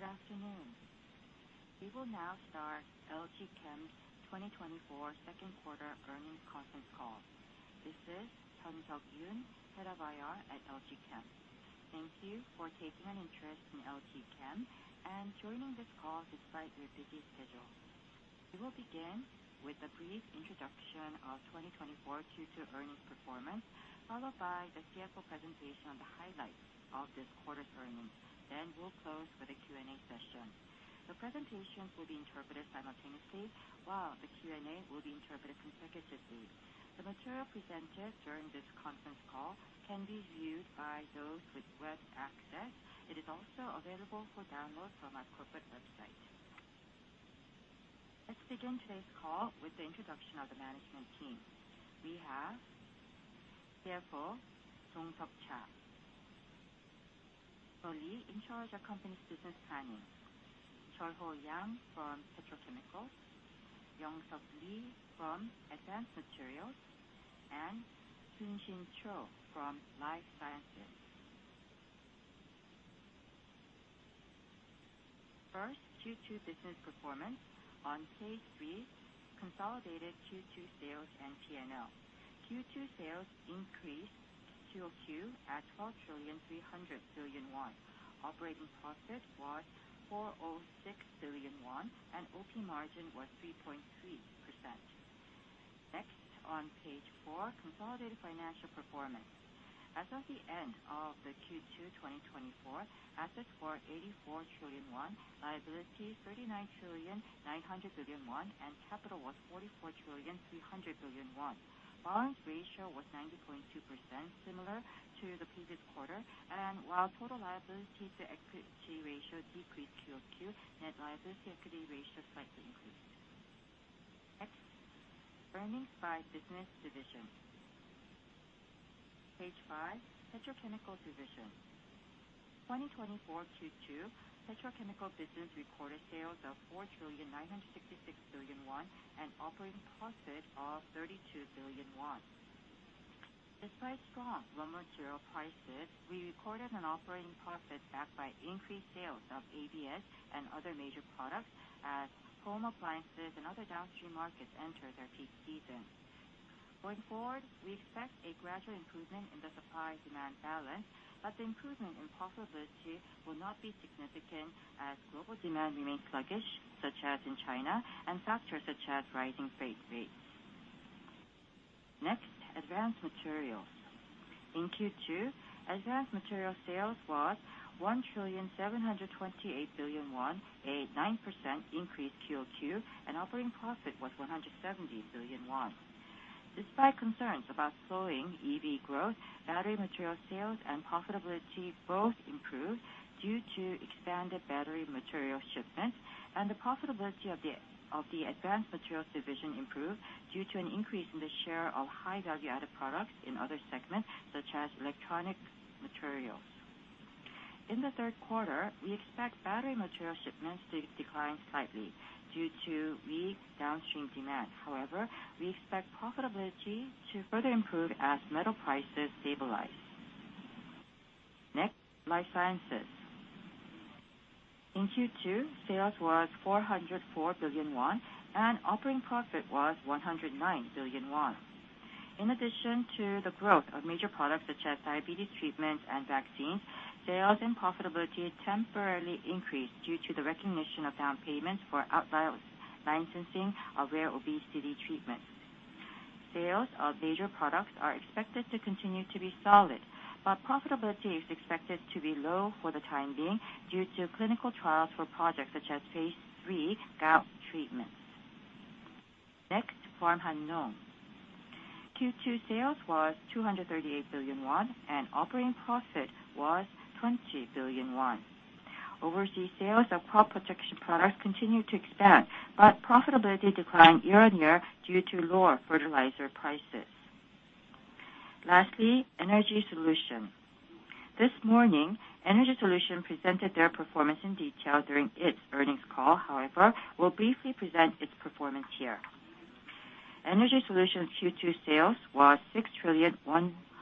Good afternoon. We will now start LG Chem's 2024 Second Quarter Earnings Conference Call. This is Hyun-seok Yoon, Head of IR at LG Chem. Thank you for taking an interest in LG Chem and joining this call despite your busy schedule. We will begin with a brief introduction of 2024 Q2 Earnings Performance, followed by the CFO presentation on the highlights of this quarter's earnings. Then we'll close with a Q&A session. The presentations will be interpreted simultaneously, while the Q&A will be interpreted consecutively. The material presented during this conference call can be viewed by those with web access. It is also available for download from our corporate website. Let's begin today's call with the introduction of the management team. We have CFO Dong Seok Cha, Yoon Lee, in charge of company's business planning, Choi Ho-Young from Petrochemicals, Young Seok Lee from Advanced Materials, and Hyun-Jin Cho from Life Sciences. First, Q2 business performance on page 3, consolidated Q2 sales and P&L. Q2 sales increased Q2 at 12.3 trillion. Operating profit was 406 billion won, and OP margin was 3.3%. Next, on page 4, consolidated financial performance. As of the end of Q2 2024, assets were 84 trillion won, liabilities 39.9 trillion, and capital was 44.3 trillion. Balance ratio was 90.2%, similar to the previous quarter, and while total liability-to-equity ratio decreased Q2, net liability-to-equity ratio slightly increased. Next, earnings by business division. Page 5, Petrochemical division. 2024 Q2, Petrochemical business recorded sales of 4.966 trillion won and operating profit of 32 billion won. Despite strong raw material prices, we recorded an operating profit backed by increased sales of ABS and other major products as home appliances and other downstream markets entered their peak season. Going forward, we expect a gradual improvement in the supply-demand balance, but the improvement in profitability will not be significant as global demand remains sluggish, such as in China, and factors such as rising freight rates. Next, advanced materials. In Q2, advanced materials sales was 1,728 billion won, a 9% increase Q2, and operating profit was 170 billion won. Despite concerns about slowing EV growth, battery materials sales and profitability both improved due to expanded battery materials shipments, and the profitability of the advanced materials division improved due to an increase in the share of high-value-added products in other segments, such as electronic materials. In the third quarter, we expect battery materials shipments to decline slightly due to weak downstream demand. However, we expect profitability to further improve as metal prices stabilize. Next, life sciences. In Q2, sales was 404 billion won, and operating profit was 109 billion won. In addition to the growth of major products such as diabetes treatments and vaccines, sales and profitability temporarily increased due to the recognition of down payments for out-licensing of rare obesity treatments. Sales of major products are expected to continue to be solid, but profitability is expected to be low for the time being due to clinical trials for projects such as phase 3 gout treatments. Next, PharmHannong. Q2 sales was 238 billion won, and operating profit was 20 billion won. Overseas sales of crop protection products continued to expand, but profitability declined year-on-year due to lower fertilizer prices. Lastly, Energy Solution. This morning, Energy Solution presented their performance in detail during its earnings call. However, we'll briefly present its performance here. Energy Solution's Q2 sales was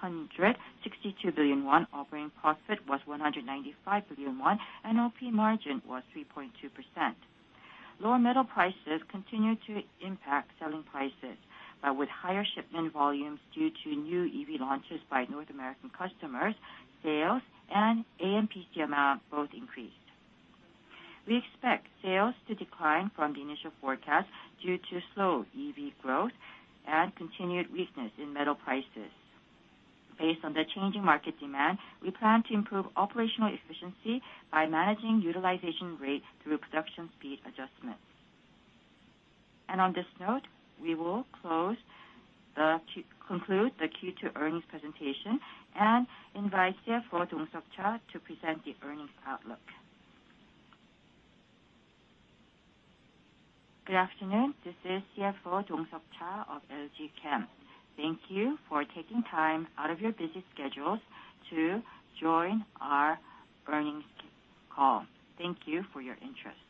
6,162 billion won, operating profit was 195 billion won, and OP margin was 3.2%. Lower metal prices continue to impact selling prices, but with higher shipment volumes due to new EV launches by North American customers, sales and AMPC amount both increased. We expect sales to decline from the initial forecast due to slow EV growth and continued weakness in metal prices. Based on the changing market demand, we plan to improve operational efficiency by managing utilization rate through production speed adjustments. On this note, we will conclude the Q2 earnings presentation and invite CFO Dong Seok Cha to present the earnings outlook. Good afternoon. This is CFO Dong Seok Cha of LG Chem. Thank you for taking time out of your busy schedules to join our earnings call. Thank you for your interest.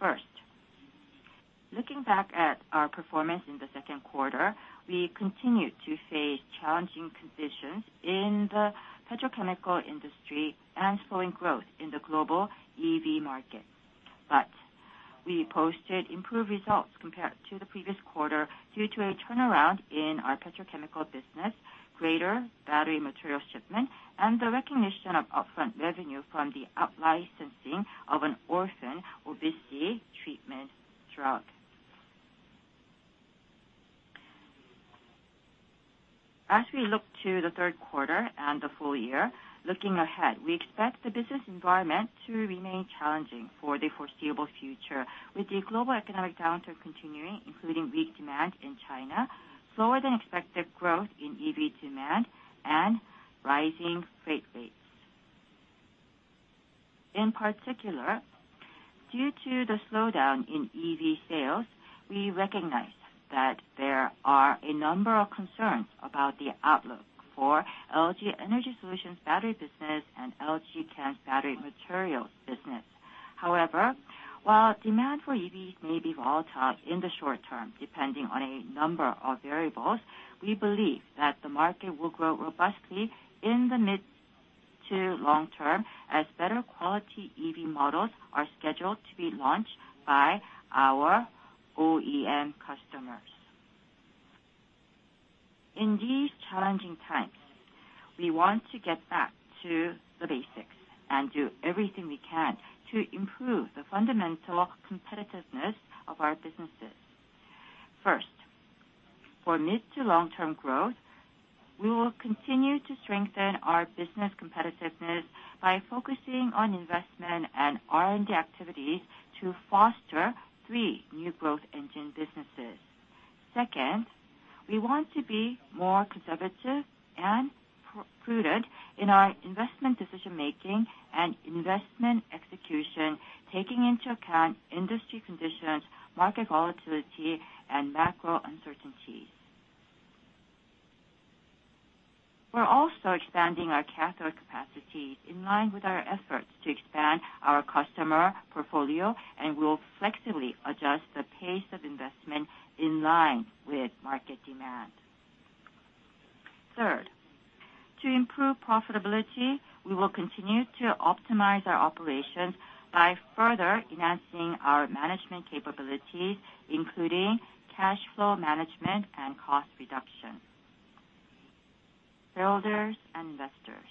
First, looking back at our performance in the second quarter, we continued to face challenging conditions in the petrochemical industry and slowing growth in the global EV market. But we posted improved results compared to the previous quarter due to a turnaround in our petrochemical business, greater battery materials shipment, and the recognition of upfront revenue from the out-licensing of an orphan obesity treatment drug. As we look to the third quarter and the full year, looking ahead, we expect the business environment to remain challenging for the foreseeable future with the global economic downturn continuing, including weak demand in China, slower than expected growth in EV demand, and rising freight rates. In particular, due to the slowdown in EV sales, we recognize that there are a number of concerns about the outlook for LG Energy Solution's battery business and LG Chem's battery materials business. However, while demand for EVs may be volatile in the short term depending on a number of variables, we believe that the market will grow robustly in the mid to long term as better quality EV models are scheduled to be launched by our OEM customers. In these challenging times, we want to get back to the basics and do everything we can to improve the fundamental competitiveness of our businesses. First, for mid to long-term growth, we will continue to strengthen our business competitiveness by focusing on investment and R&D activities to foster three new growth engine businesses. Second, we want to be more conservative and prudent in our investment decision-making and investment execution, taking into account industry conditions, market volatility, and macro uncertainties. We're also expanding our cathode capacity in line with our efforts to expand our customer portfolio, and we'll flexibly adjust the pace of investment in line with market demand. Third, to improve profitability, we will continue to optimize our operations by further enhancing our management capabilities, including cash flow management and cost reduction. Shareholders and investors.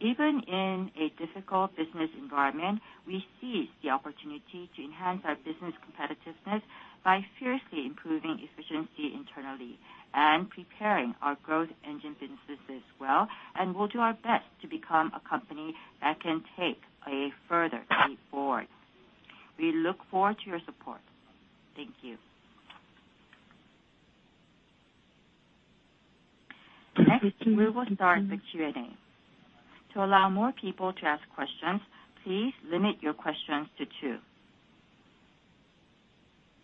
Even in a difficult business environment, we seize the opportunity to enhance our business competitiveness by fiercely improving efficiency internally and preparing our growth engine businesses well, and we'll do our best to become a company that can take a further leap forward. We look forward to your support. Thank you. Next, we will start the Q&A. To allow more people to ask questions, please limit your questions to two.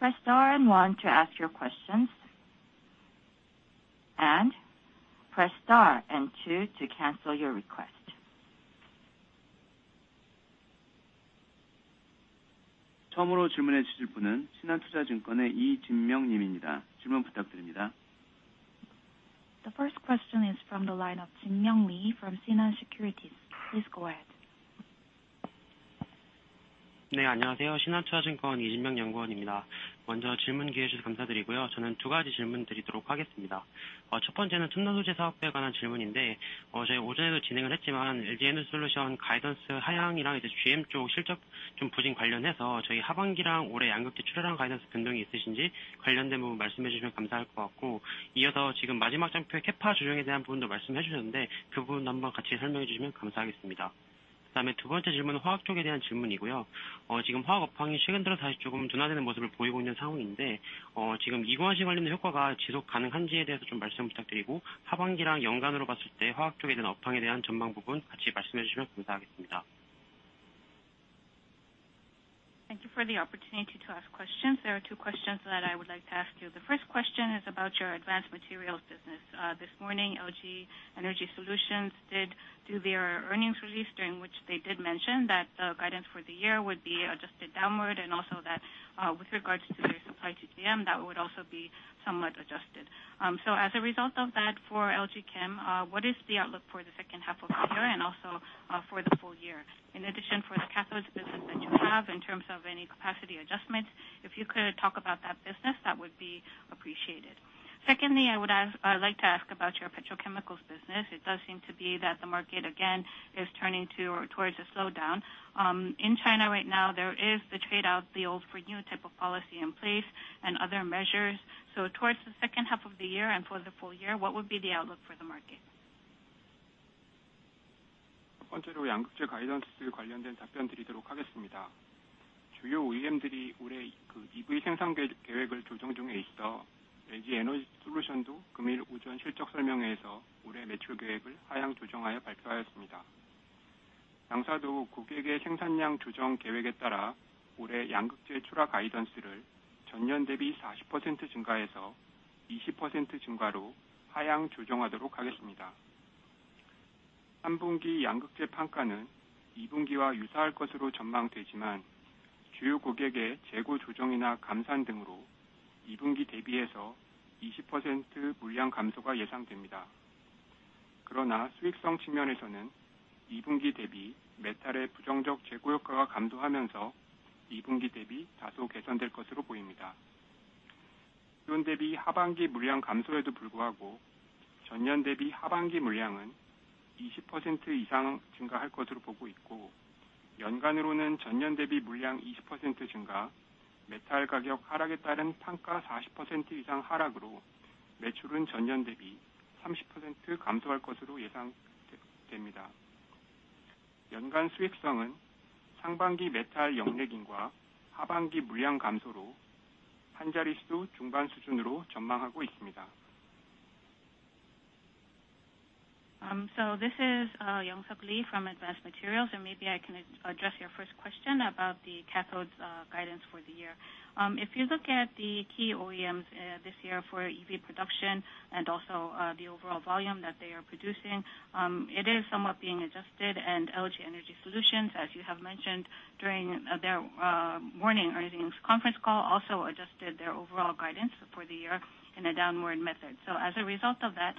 Press star and one to ask your questions, and press star and two to cancel your request. Jin Myung Lee from Shinhan Securities. Please ask your question. The first question is from the line of Jin Myung Lee from Shinhan Securities. Please go ahead. 네, 안녕하세요. 신한투자증권 이진명 연구원입니다. 먼저 질문 기회 주셔서 감사드리고요. 저는 두 가지 질문 드리도록 하겠습니다. 첫 번째는 첨단 소재 사업부에 관한 질문인데, 저희 오전에도 진행을 했지만 LG 에너지 솔루션 가이던스 하향이랑 GM 쪽 실적 좀 부진 관련해서 저희 하반기랑 올해 양극재 출하랑 가이던스 변동이 있으신지 관련된 부분 말씀해 주시면 감사할 것 같고, 이어서 지금 마지막 장표의 CapEx 조정에 대한 부분도 말씀해 주셨는데, 그 부분도 한번 같이 설명해 주시면 감사하겠습니다. 그다음에 두 번째 질문은 화학 쪽에 대한 질문이고요. 지금 화학 업황이 최근 들어 다시 조금 둔화되는 모습을 보이고 있는 상황인데, 지금 미관심 관련된 효과가 지속 가능한지에 대해서 좀 말씀 부탁드리고, 하반기랑 연간으로 봤을 때 화학 쪽에 대한 업황에 대한 전망 부분 같이 말씀해 주시면 감사하겠습니다. Thank you for the opportunity to ask questions. There are two questions that I would like to ask you. The first question is about your advanced materials business. This morning, LG Energy Solution did do their earnings release during which they did mention that the guidance for the year would be adjusted downward, and also that with regards to their supply to GM, that would also be somewhat adjusted. So, as a result of that for LG Chem, what is the outlook for the second half of the year and also for the full year? In addition, for the cathodes business that you have in terms of any capacity adjustments, if you could talk about that business, that would be appreciated. Secondly, I would like to ask about your petrochemicals business. It does seem to be that the market, again, is turning towards a slowdown. In China right now, there is the trade-off deal for new type of policy in place and other measures. So, towards the second half of the year and for the full year, what would be the outlook for the market? 첫 번째로 양극재 가이던스 관련된 답변 드리도록 하겠습니다. 주요 OEM들이 올해 EV 생산 계획을 조정 중에 있어 LG 에너지 솔루션도 금일 오전 실적 설명회에서 올해 매출 계획을 하향 조정하여 발표하였습니다. 양사도 고객의 생산량 조정 계획에 따라 올해 양극재 출하 가이던스를 전년 대비 40% 증가에서 20% 증가로 하향 조정하도록 하겠습니다. 3분기 양극재 판가는 2분기와 유사할 것으로 전망되지만, 주요 고객의 재고 조정이나 감산 등으로 2분기 대비해서 20% 물량 감소가 예상됩니다. 그러나 수익성 측면에서는 2분기 대비 메탈의 부정적 재고 효과가 감소하면서 2분기 대비 다소 개선될 것으로 보입니다. 기존 대비 하반기 물량 감소에도 불구하고 전년 대비 하반기 물량은 20% 이상 증가할 것으로 보고 있고, 연간으로는 전년 대비 물량 20% 증가, 메탈 가격 하락에 따른 판가 40% 이상 하락으로 매출은 전년 대비 30% 감소할 것으로 예상됩니다. 연간 수익성은 상반기 메탈 역내긴과 하반기 물량 감소로 한 자릿수 중반 수준으로 전망하고 있습니다. So, this is Young Seok Lee from Advanced Materials, and maybe I can address your first question about the cathodes guidance for the year. If you look at the key OEMs this year for EV production and also the overall volume that they are producing, it is somewhat being adjusted, and LG Energy Solutions, as you have mentioned during their morning earnings conference call, also adjusted their overall guidance for the year in a downward method. So, as a result of that,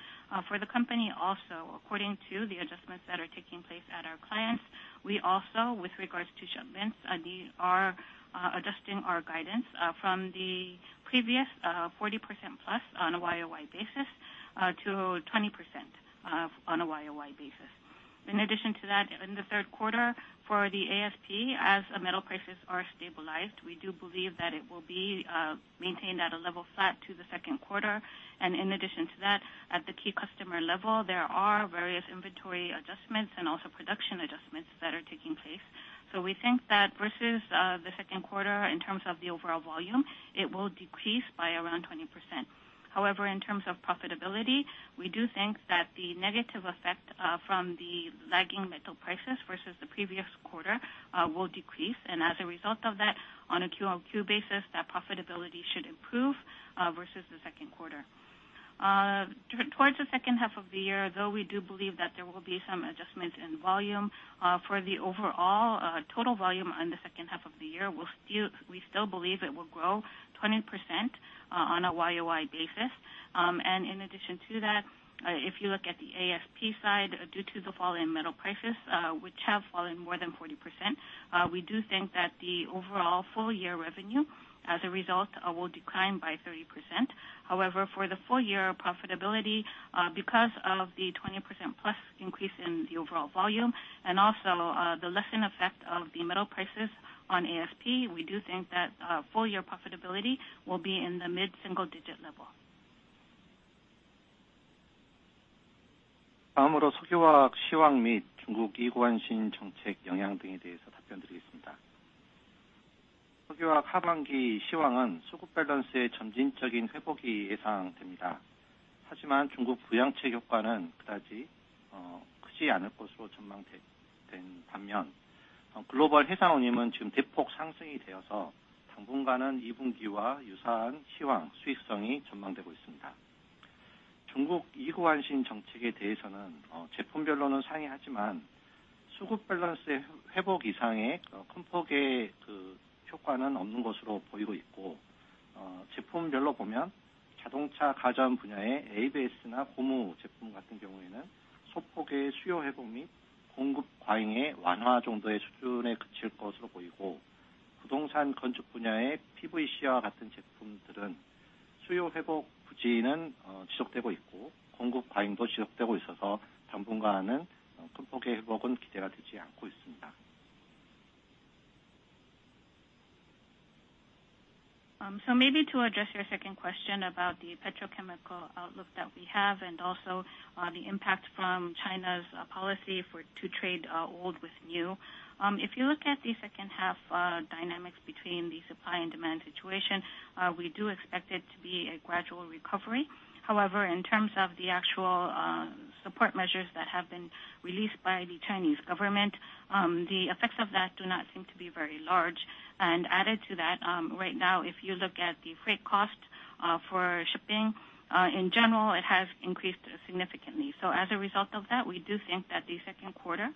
for the company also, according to the adjustments that are taking place at our clients, we also, with regards to shipments, are adjusting our guidance from the previous 40% plus on a YOY basis to 20% on a YOY basis. In addition to that, in the third quarter, for the ASP, as metal prices are stabilized, we do believe that it will be maintained at a level flat to the second quarter. In addition to that, at the key customer level, there are various inventory adjustments and also production adjustments that are taking place. We think that versus the second quarter, in terms of the overall volume, it will decrease by around 20%. However, in terms of profitability, we do think that the negative effect from the lagging metal prices versus the previous quarter will decrease, and as a result of that, on a Q on Q basis, that profitability should improve versus the second quarter. Towards the second half of the year, though, we do believe that there will be some adjustments in volume. For the overall total volume on the second half of the year, we still believe it will grow 20% on a year-over-year basis. In addition to that, if you look at the ASP side, due to the fall in metal prices, which have fallen more than 40%, we do think that the overall full year revenue, as a result, will decline by 30%. However, for the full year profitability, because of the 20% plus increase in the overall volume and also the lessened effect of the metal prices on ASP, we do think that full year profitability will be in the mid single digit level. 다음으로 석유화학 시황 및 중국 이관신 정책 영향 등에 대해서 답변 드리겠습니다. 석유화학 하반기 시황은 수급 밸런스의 점진적인 회복이 예상됩니다. 하지만 중국 부양책 효과는 그다지 크지 않을 것으로 전망된 반면, 글로벌 해상 운임은 지금 대폭 상승이 되어서 당분간은 2분기와 유사한 시황, 수익성이 전망되고 있습니다. 중국 이관신 정책에 대해서는 제품별로는 상이하지만 수급 밸런스의 회복 이상의 큰 폭의 효과는 없는 것으로 보이고 있고, 제품별로 보면 자동차 가전 분야의 ABS나 고무 제품 같은 경우에는 소폭의 수요 회복 및 공급 과잉의 완화 정도의 수준에 그칠 것으로 보이고, 부동산 건축 분야의 PVC와 같은 제품들은 수요 회복 부진은 지속되고 있고 공급 과잉도 지속되고 있어서 당분간은 큰 폭의 회복은 기대가 되지 않고 있습니다. So, maybe to address your second question about the petrochemical outlook that we have and also the impact from China's policy to trade old with new, if you look at the second half dynamics between the supply and demand situation, we do expect it to be a gradual recovery. However, in terms of the actual support measures that have been released by the Chinese government, the effects of that do not seem to be very large. And added to that, right now, if you look at the freight cost for shipping in general, it has increased significantly. So, as a result of that, we do think that the second quarter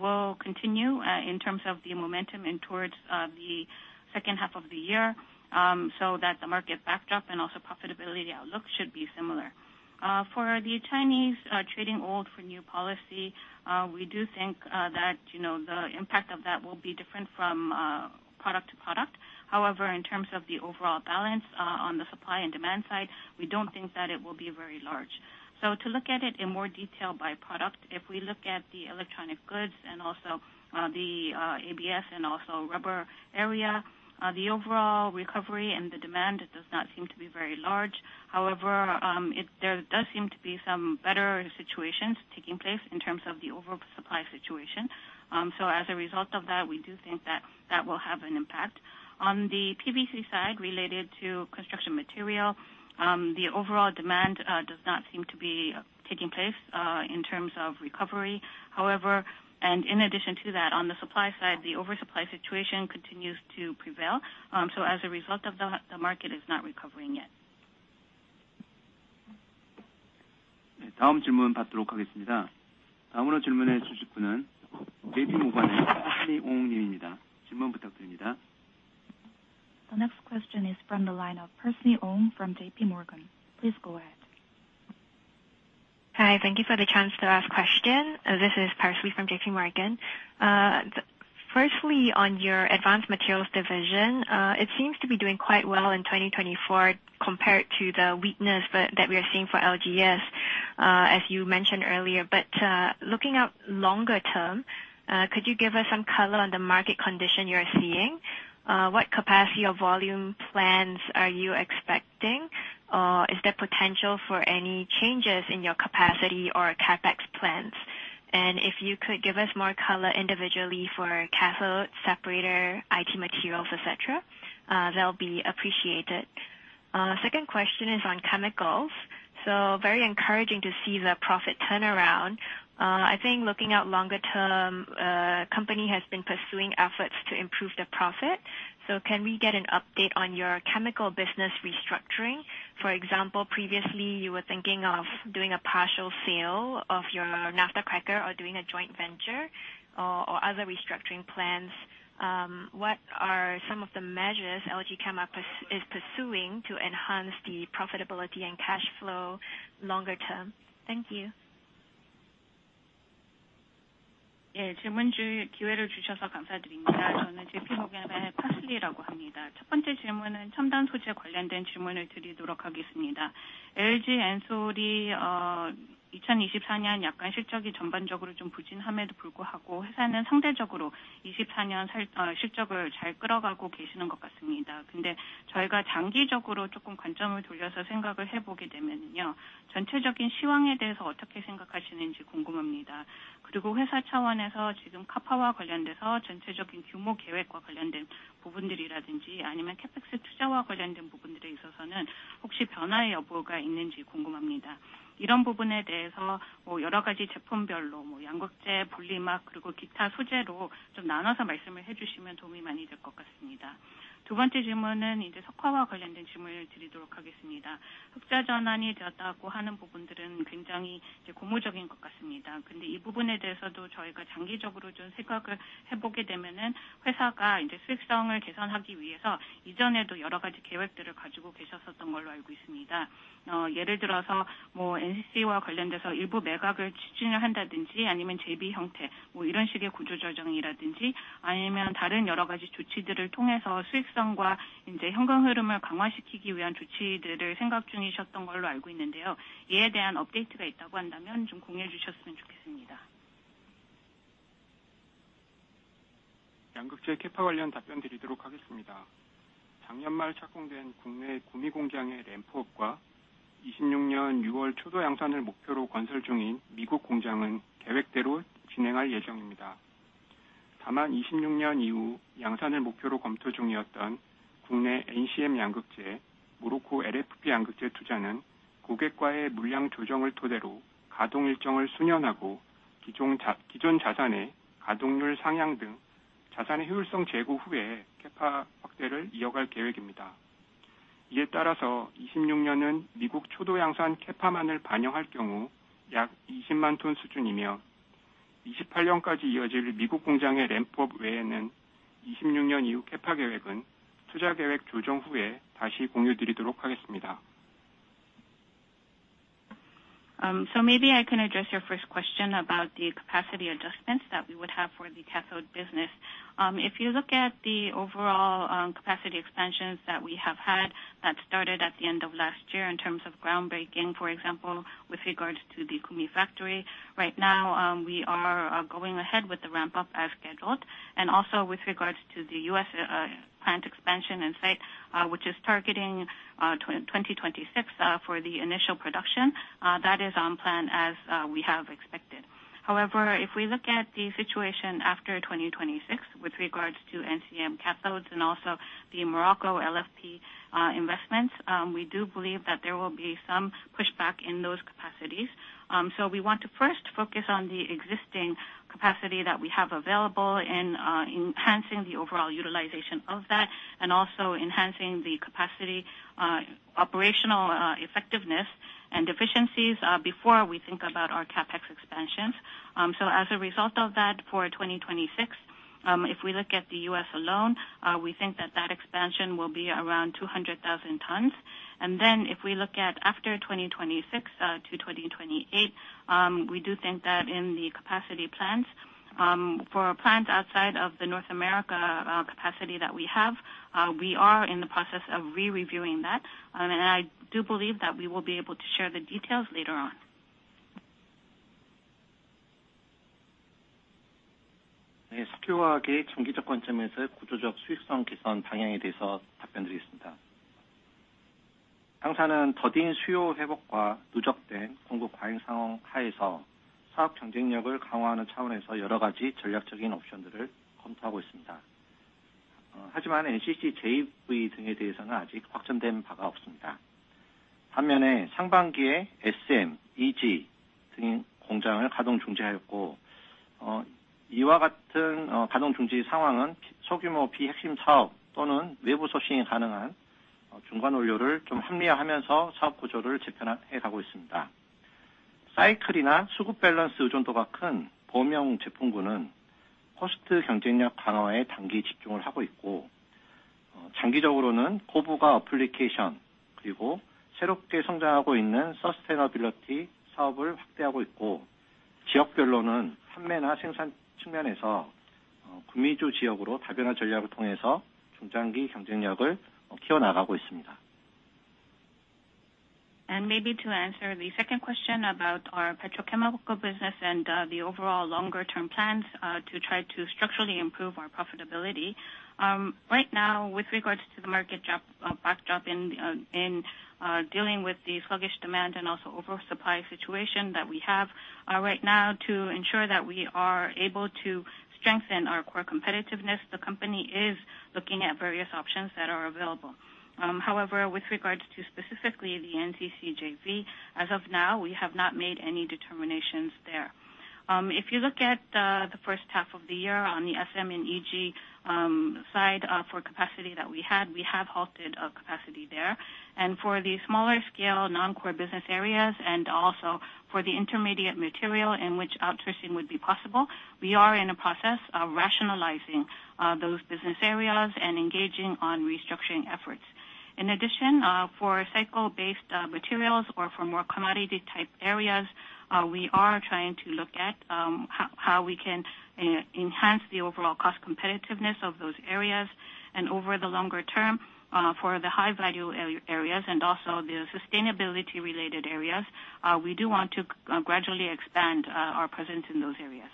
will continue in terms of the momentum and towards the second half of the year so that the market backdrop and also profitability outlook should be similar. For the Chinese trading old for new policy, we do think that the impact of that will be different from product to product. However, in terms of the overall balance on the supply and demand side, we don't think that it will be very large. So, to look at it in more detail by product, if we look at the electronic goods and also the ABS and also rubber area, the overall recovery and the demand does not seem to be very large. However, there does seem to be some better situations taking place in terms of the overall supply situation. So, as a result of that, we do think that that will have an impact. On the PVC side, related to construction material, the overall demand does not seem to be taking place in terms of recovery. However, and in addition to that, on the supply side, the oversupply situation continues to prevail. As a result of that, the market is not recovering yet. to ask a question is Parsley Ong from JP Morgan. Please go ahead with your question. The next question is from the line of Parsley Ong from J.P. Morgan. Please go ahead. Hi, thank you for the chance to ask a question. This is Parsley from JP Morgan. Firstly, on your advanced materials division, it seems to be doing quite well in 2024 compared to the weakness that we are seeing for LGS, as you mentioned earlier. But looking at longer term, could you give us some color on the market condition you are seeing? What capacity or volume plans are you expecting, or is there potential for any changes in your capacity or CapEx plans? And if you could give us more color individually for cathodes, separator, IT materials, etc., that will be appreciated. Second question is on chemicals. So, very encouraging to see the profit turnaround. I think looking at longer term, the company has been pursuing efforts to improve the profit. So, can we get an update on your chemical business restructuring? For example, previously you were thinking of doing a partial sale of your naphtha cracker or doing a joint venture or other restructuring plans. What are some of the measures LG Chem is pursuing to enhance the profitability and cash flow longer term? Thank you. 질문 주의 기회를 주셔서 감사드립니다. 저는 JP Morgan의 Parsley라고 합니다. 첫 번째 질문은 첨단 소재 관련된 질문을 드리도록 하겠습니다. LG 엔솔이 2024년 약간 실적이 전반적으로 좀 부진함에도 불구하고 회사는 상대적으로 2024년 실적을 잘 끌어가고 계시는 것 같습니다. 근데 저희가 장기적으로 조금 관점을 돌려서 생각을 해보게 되면요, 전체적인 시황에 대해서 어떻게 생각하시는지 궁금합니다. 그리고 회사 차원에서 지금 capacity와 관련돼서 전체적인 규모 계획과 관련된 부분들이라든지 아니면 CapEx 투자와 관련된 부분들에 있어서는 혹시 변화의 여부가 있는지 궁금합니다. 이런 부분에 대해서 여러 가지 제품별로 양극재, 분리막, 그리고 기타 소재로 좀 나눠서 말씀을 해주시면 도움이 많이 될것 같습니다. 두 번째 질문은 이제 석화와 관련된 질문을 드리도록 하겠습니다. 흑자 전환이 되었다고 하는 부분들은 굉장히 고무적인 것 같습니다. 근데 이 부분에 대해서도 저희가 장기적으로 좀 생각을 해보게 되면 회사가 수익성을 개선하기 위해서 이전에도 여러 가지 계획들을 가지고 계셨었던 걸로 알고 있습니다. 예를 들어서 NCC와 관련돼서 일부 매각을 추진을 한다든지 아니면 좀비 형태, 이런 식의 구조조정이라든지 아니면 다른 여러 가지 조치들을 통해서 수익성과 현금 흐름을 강화시키기 위한 조치들을 생각 중이셨던 걸로 알고 있는데요. 이에 대한 업데이트가 있다고 한다면 좀 공유해 주셨으면 좋겠습니다. 양극재 CAPA 관련 답변 드리도록 하겠습니다. 작년 말 착공된 국내 구미 공장의 램프업과 2026년 6월 초도 양산을 목표로 건설 중인 미국 공장은 계획대로 진행할 예정입니다. 다만 2026년 이후 양산을 목표로 검토 중이었던 국내 NCM 양극재, 모로코 LFP 양극재 투자는 고객과의 물량 조정을 토대로 가동 일정을 순연하고 기존 자산의 가동률 상향 등 자산의 효율성 제고 후에 CAPA 확대를 이어갈 계획입니다. 이에 따라서 2026년은 미국 초도 양산 CAPA만을 반영할 경우 약 200,000 톤 수준이며 2028년까지 이어질 미국 공장의 램프업 외에는 2026년 이후 CAPA 계획은 투자 계획 조정 후에 다시 공유드리도록 하겠습니다. So, maybe I can address your first question about the capacity adjustments that we would have for the cathode business. If you look at the overall capacity expansions that we have had that started at the end of last year in terms of groundbreaking, for example, with regards to the Gumi factory, right now we are going ahead with the ramp-up as scheduled. Also with regards to the US plant expansion and site, which is targeting 2026 for the initial production, that is on plan as we have expected. However, if we look at the situation after 2026 with regards to NCM cathodes and also the Morocco LFP investments, we do believe that there will be some pushback in those capacities. We want to first focus on the existing capacity that we have available in enhancing the overall utilization of that and also enhancing the capacity operational effectiveness and deficiencies before we think about our CapEx expansions. As a result of that, for 2026, if we look at the U.S. alone, we think that that expansion will be around 200,000 tons. Then if we look at after 2026 to 2028, we do think that in the capacity plans for plants outside of the North America capacity that we have, we are in the process of re-reviewing that. I do believe that we will be able to share the details later on. SQ와 GATE 중기적 관점에서의 구조적 수익성 개선 방향에 대해서 답변 드리겠습니다. 항사는 더딘 수요 회복과 누적된 공급 과잉 상황 하에서 사업 경쟁력을 강화하는 차원에서 여러 가지 전략적인 옵션들을 검토하고 있습니다. 하지만 NCC, JV 등에 대해서는 아직 확정된 바가 없습니다. 반면에 상반기에 SM, EG 등 공장을 가동 중지하였고 이와 같은 가동 중지 상황은 소규모 비핵심 사업 또는 외부 소싱이 가능한 중간 원료를 좀 합리화하면서 사업 구조를 재편해 가고 있습니다. 사이클이나 수급 밸런스 의존도가 큰 범용 제품군은 코스트 경쟁력 강화에 단기 집중을 하고 있고 장기적으로는 고부가 어플리케이션 그리고 새롭게 성장하고 있는 서스테너빌리티 사업을 확대하고 있고 지역별로는 판매나 생산 측면에서 구미 지역으로 다변화 전략을 통해서 중장기 경쟁력을 키워나가고 있습니다. Maybe to answer the second question about our petrochemical business and the overall longer-term plans to try to structurally improve our profitability, right now with regards to the market backdrop in dealing with the sluggish demand and also oversupply situation that we have right now, to ensure that we are able to strengthen our core competitiveness, the company is looking at various options that are available. However, with regards to specifically the NCC JV, as of now, we have not made any determinations there. If you look at the first half of the year on the SM and EG side for capacity that we had, we have halted capacity there. And for the smaller scale non-core business areas and also for the intermediate material in which outsourcing would be possible, we are in a process of rationalizing those business areas and engaging on restructuring efforts. In addition, for cycle-based materials or for more commodity-type areas, we are trying to look at how we can enhance the overall cost competitiveness of those areas. And over the longer term, for the high-value areas and also the sustainability-related areas, we do want to gradually expand our presence in those areas.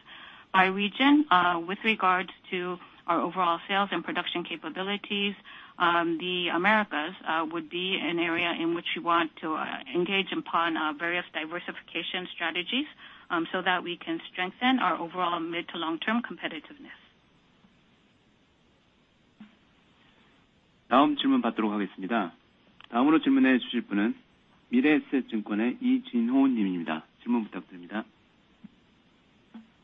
By region, with regards to our overall sales and production capabilities, the Americas would be an area in which we want to engage upon various diversification strategies so that we can strengthen our overall mid to long-term competitiveness. 다음 질문 받도록 하겠습니다. 다음으로 질문해 주실 분은 미래에셋증권의 이진호 님입니다. 질문 부탁드립니다.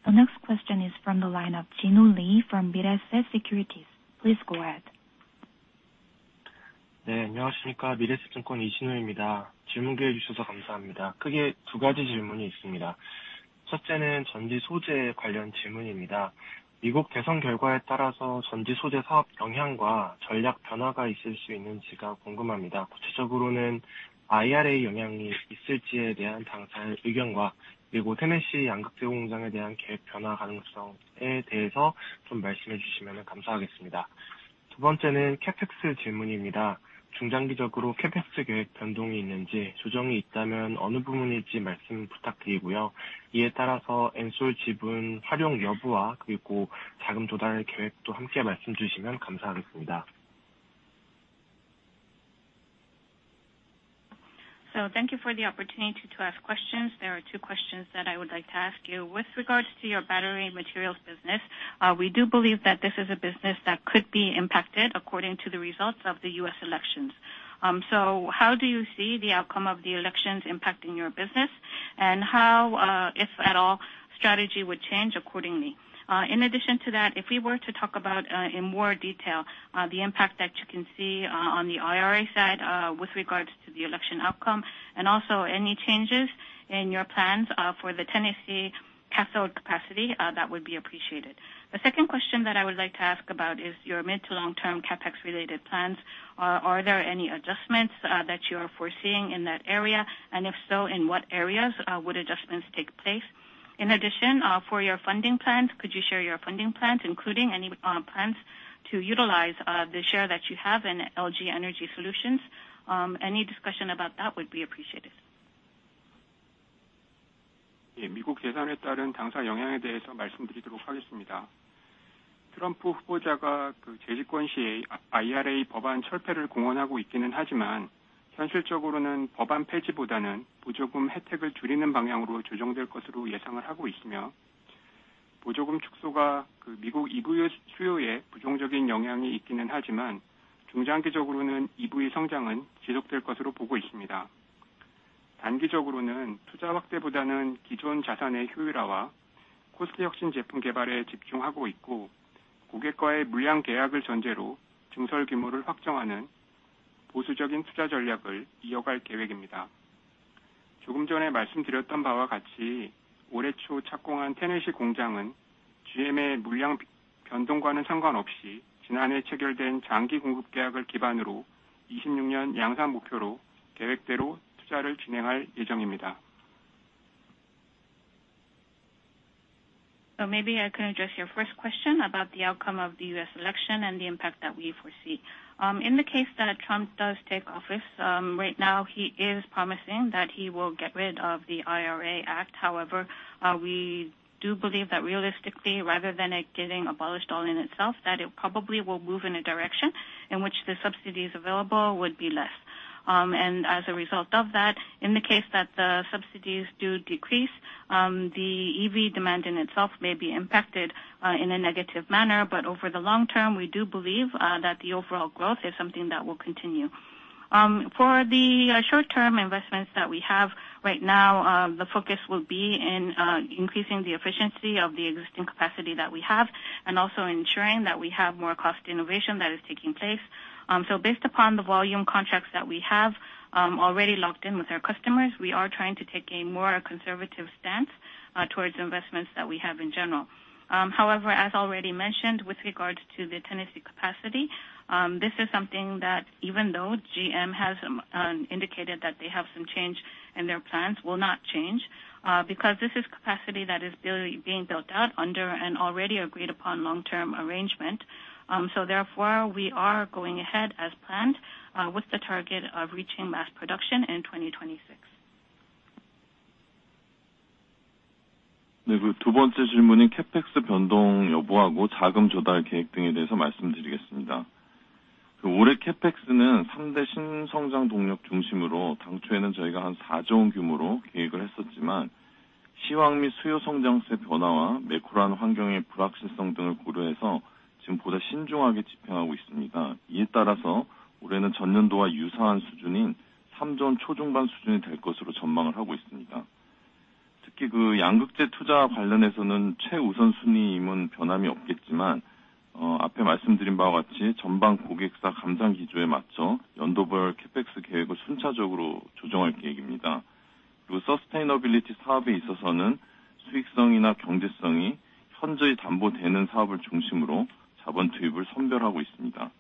The next question is from the line of Jinho Lee from Mirae Asset Securities. Please go ahead. 네, 안녕하십니까. 미래에셋증권 이진호입니다. 질문 기회 주셔서 감사합니다. 크게 두 가지 질문이 있습니다. 첫째는 전지 소재 관련 질문입니다. 미국 대선 결과에 따라서 전지 소재 사업 영향과 전략 변화가 있을 수 있는지가 궁금합니다. 구체적으로는 IRA 영향이 있을지에 대한 당사의 의견과 그리고 테네시 양극재 공장에 대한 계획 변화 가능성에 대해서 좀 말씀해 주시면 감사하겠습니다. 두 번째는 CapEx 질문입니다. 중장기적으로 CapEx 계획 변동이 있는지 조정이 있다면 어느 부분일지 말씀 부탁드리고요. 이에 따라서 엔솔 지분 활용 여부와 그리고 자금 조달 계획도 함께 말씀해 주시면 감사하겠습니다. So, thank you for the opportunity to ask questions. There are two questions that I would like to ask you. With regards to your battery materials business, we do believe that this is a business that could be impacted according to the results of the U.S. elections. So, how do you see the outcome of the elections impacting your business and how, if at all, strategy would change accordingly? In addition to that, if we were to talk about in more detail the impact that you can see on the IRA side with regards to the election outcome and also any changes in your plans for the Tennessee cathode capacity, that would be appreciated. The second question that I would like to ask about is your mid- to long-term CapEx-related plans. Are there any adjustments that you are foreseeing in that area? And if so, in what areas would adjustments take place? In addition, for your funding plans, could you share your funding plans, including any plans to utilize the share that you have in LG Energy Solution? Any discussion about that would be appreciated. 미국 대선에 따른 당사 영향에 대해서 말씀드리도록 하겠습니다. 트럼프 후보자가 재집권 시에 IRA 법안 철폐를 공언하고 있기는 하지만 현실적으로는 법안 폐지보다는 보조금 혜택을 줄이는 방향으로 조정될 것으로 예상을 하고 있으며 보조금 축소가 미국 EV 수요에 부정적인 영향이 있기는 하지만 중장기적으로는 EV 성장은 지속될 것으로 보고 있습니다. 단기적으로는 투자 확대보다는 기존 자산의 효율화와 코스피 혁신 제품 개발에 집중하고 있고 고객과의 물량 계약을 전제로 증설 규모를 확정하는 보수적인 투자 전략을 이어갈 계획입니다. 조금 전에 말씀드렸던 바와 같이 올해 초 착공한 테네시 공장은 GM의 물량 변동과는 상관없이 지난해 체결된 장기 공급 계약을 기반으로 2026년 양산 목표로 계획대로 투자를 진행할 예정입니다. Maybe I can address your first question about the outcome of the U.S. election and the impact that we foresee. In the case that Trump does take office, right now he is promising that he will get rid of the IRA Act. However, we do believe that realistically, rather than it getting abolished all in itself, that it probably will move in a direction in which the subsidies available would be less. And as a result of that, in the case that the subsidies do decrease, the EV demand in itself may be impacted in a negative manner. But over the long term, we do believe that the overall growth is something that will continue. For the short-term investments that we have right now, the focus will be in increasing the efficiency of the existing capacity that we have and also ensuring that we have more cost innovation that is taking place. So, based upon the volume contracts that we have already locked in with our customers, we are trying to take a more conservative stance towards investments that we have in general. However, as already mentioned, with regards to the Tennessee capacity, this is something that even though GM has indicated that they have some change in their plans, will not change because this is capacity that is being built out under an already agreed-upon long-term arrangement. So, therefore, we are going ahead as planned with the target of reaching mass production in 2026. 두 번째 질문은 CapEx 변동 여부하고 자금 조달 계획 등에 대해서 말씀드리겠습니다. 올해 CapEx는 3대 신성장 동력 중심으로 당초에는 저희가 한 4조 원 규모로 계획을 했었지만 시황 및 수요 성장세 변화와 매크로한 환경의 불확실성 등을 고려해서 지금 보다 신중하게 집행하고 있습니다. 이에 따라서 올해는 전년도와 유사한 수준인 3조 원 초중반 수준이 될 것으로 전망을 하고 있습니다. 특히 양극재 투자와 관련해서는 최우선 순위임은 변함이 없겠지만 앞에 말씀드린 바와 같이 전방 고객사 감산 기조에 맞춰 연도별 CapEx 계획을 순차적으로 조정할 계획입니다. 그리고 서스테너빌리티 사업에 있어서는 수익성이나 경제성이 현저히 담보되는 사업을 중심으로 자본 투입을 선별하고 있습니다.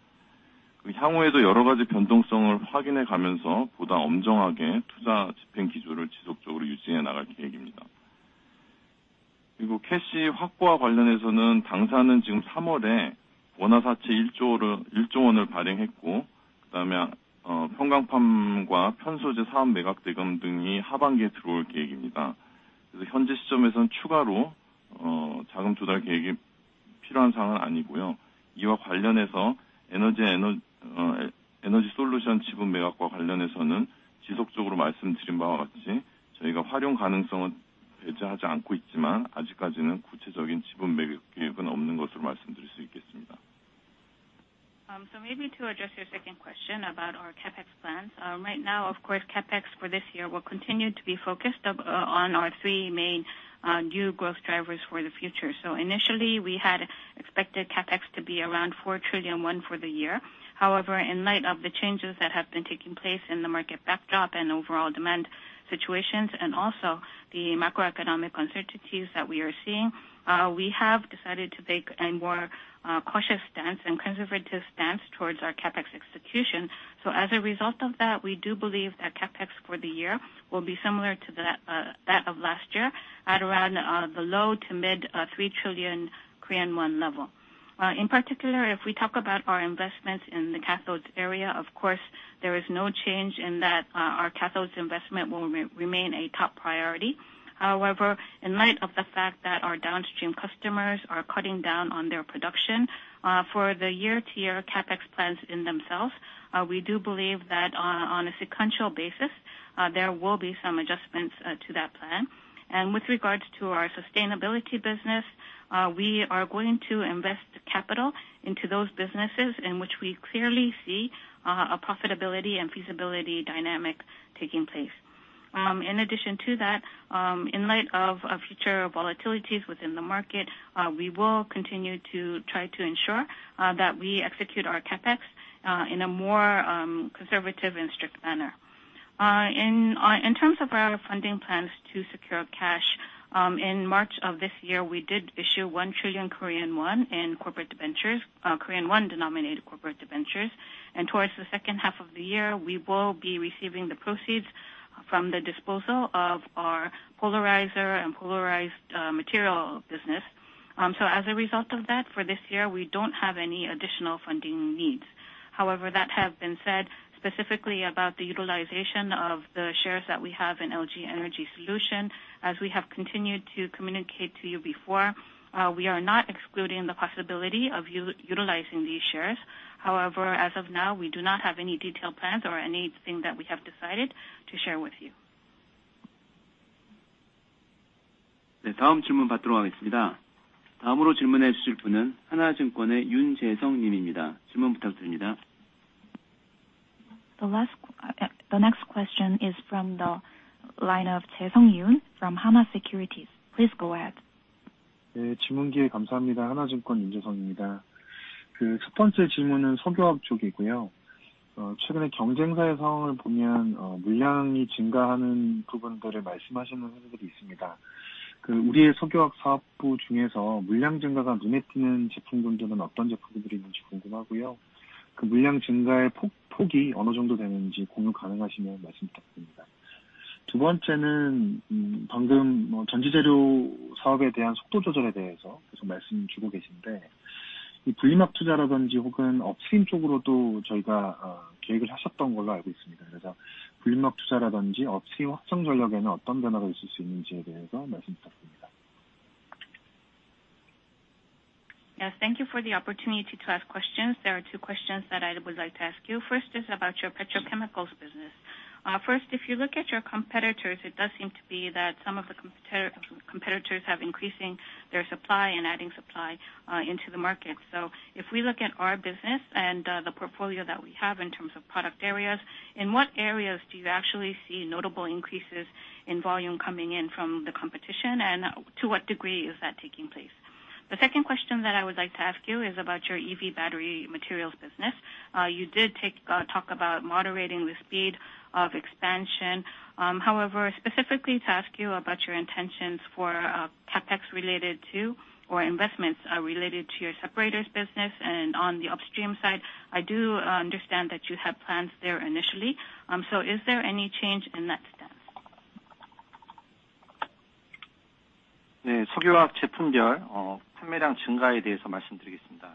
향후에도 여러 가지 변동성을 확인해 가면서 보다 엄정하게 투자 집행 기조를 지속적으로 유지해 나갈 계획입니다. 그리고 캐시 확보와 관련해서는 당사는 지금 3월에 원화 사채 KRW 1조를 발행했고 그다음에 팜한농과 첨단소재 사업 매각 대금 등이 하반기에 들어올 계획입니다. 그래서 현재 시점에서는 추가로 자금 조달 계획이 필요한 사항은 아니고요. 이와 관련해서 에너지 솔루션 지분 매각과 관련해서는 지속적으로 말씀드린 바와 같이 저희가 활용 가능성은 배제하지 않고 있지만 아직까지는 구체적인 지분 매각 계획은 없는 것으로 말씀드릴 수 있겠습니다. So, maybe to address your second question about our CapEx plans, right now, of course, CapEx for this year will continue to be focused on our three main new growth drivers for the future. So, initially, we had expected CapEx to be around 4 trillion for the year. However, in light of the changes that have been taking place in the market backdrop and overall demand situations and also the macroeconomic uncertainties that we are seeing, we have decided to take a more cautious stance and conservative stance towards our CapEx execution. So, as a result of that, we do believe that CapEx for the year will be similar to that of last year at around the low- to mid-KRW 3 trillion level. In particular, if we talk about our investments in the cathodes area, of course, there is no change in that our cathodes investment will remain a top priority. However, in light of the fact that our downstream customers are cutting down on their production for the year-to-year CapEx plans in themselves, we do believe that on a sequential basis, there will be some adjustments to that plan. With regards to our sustainability business, we are going to invest capital into those businesses in which we clearly see a profitability and feasibility dynamic taking place. In addition to that, in light of future volatilities within the market, we will continue to try to ensure that we execute our CapEx in a more conservative and strict manner. In terms of our funding plans to secure cash, in March of this year, we did issue 1 trillion Korean won in corporate bonds, Korean won-denominated corporate bonds. Towards the second half of the year, we will be receiving the proceeds from the disposal of our polarizer and polarized material business. As a result of that, for this year, we don't have any additional funding needs. However, that has been said specifically about the utilization of the shares that we have in LG Energy Solution. As we have continued to communicate to you before, we are not excluding the possibility of utilizing these shares. However, as of now, we do not have any detailed plans or anything that we have decided to share with you. question is Jae Seong Yoon from Hana Securities. Please go ahead with your question. The next question is from the line of Jae Seong Yoon from Hana Securities. Please go ahead. 질문 기회 감사합니다. 하나증권 윤재성입니다. 첫 번째 질문은 석유화학 쪽이고요. 최근에 경쟁사의 상황을 보면 물량이 증가하는 부분들을 말씀하시는 회사들이 있습니다. 우리의 석유화학 사업부 중에서 물량 증가가 눈에 띄는 제품군들은 어떤 제품군들이 있는지 궁금하고요. 그 물량 증가의 폭이 어느 정도 되는지 공유 가능하시면 말씀 부탁드립니다. 두 번째는 방금 전지 재료 사업에 대한 속도 조절에 대해서 계속 말씀 주고 계신데, 분리막 투자라든지 혹은 업스트림 쪽으로도 저희가 계획을 하셨던 걸로 알고 있습니다. 그래서 분리막 투자라든지 업스트림 확장 전략에는 어떤 변화가 있을 수 있는지에 대해서 말씀 부탁드립니다. Yes, thank you for the opportunity to ask questions. There are two questions that I would like to ask you. First is about your petrochemicals business. First, if you look at your competitors, it does seem to be that some of the competitors have increasing their supply and adding supply into the market. So, if we look at our business and the portfolio that we have in terms of product areas, in what areas do you actually see notable increases in volume coming in from the competition, and to what degree is that taking place? The second question that I would like to ask you is about your EV battery materials business. You did talk about moderating the speed of expansion. However, specifically to ask you about your intentions for CapEx related to or investments related to your separators business and on the upstream side, I do understand that you had plans there initially. So, is there any change in that stance? 네, 석유화학 제품별 판매량 증가에 대해서 말씀드리겠습니다.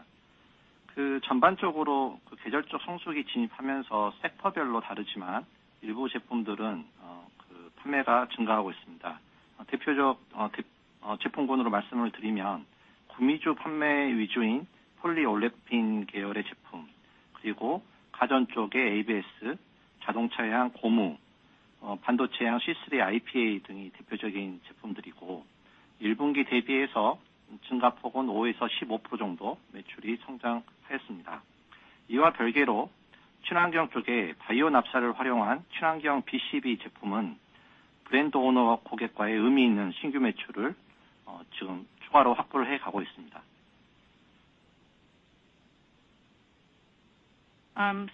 전반적으로 계절적 성수기 진입하면서 섹터별로 다르지만 일부 제품들은 판매가 증가하고 있습니다. 대표적 제품군으로 말씀을 드리면 구미주 판매 위주인 폴리올레핀 계열의 제품, 그리고 가전 쪽의 ABS, 자동차용 고무, 반도체용 C3, IPA 등이 대표적인 제품들이고, 1분기 대비해서 증가 폭은 5%-15% 정도 매출이 성장하였습니다. 이와 별개로 친환경 쪽의 바이오 납사를 활용한 친환경 BCB 제품은 브랜드 오너 고객과의 의미 있는 신규 매출을 지금 추가로 확보를 해가고 있습니다.